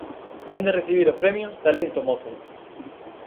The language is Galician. Vén de recibir o premio 'Talento Mozo'.